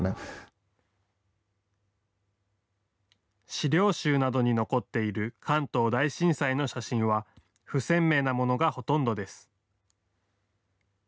資料集などに残っている関東大震災の写真は不鮮明なものがほとんどです。